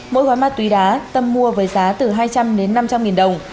mỗi gói ma túy đá tâm mua với giá từ hai trăm linh đến năm trăm linh nghìn đồng